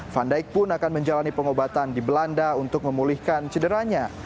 van dijk pun akan menjalani pengobatan di belanda untuk memulihkan cederanya